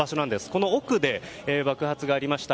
この奥で爆発がありました。